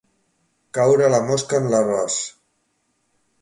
Caure la mosca en l'arròs.